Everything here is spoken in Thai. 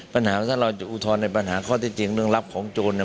ปัญหาว่าถ้าเราจะอุทธรณ์ในปัญหาข้อที่จริงเรื่องลับของโจร